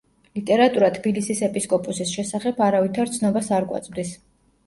ლიტერატურა თბილისის ეპისკოპოსის შესახებ არავითარ ცნობას არ გვაწვდის.